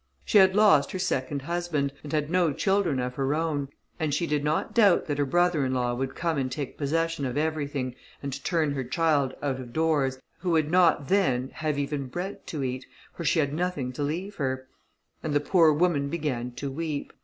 She had lost her second husband; and had no children of her own, and she did not doubt that her brother in law would come and take possession of everything, and turn her child out of doors, who would not then have even bread to eat, for she had nothing to leave her; and the poor woman began to weep.